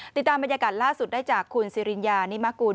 ติดตามบรรยากาศล่าสุดได้จากคุณสิริญญานิมกุล